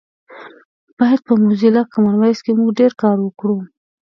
باید په موزیلا کامن وایس کې مونږ ډېر کار وکړو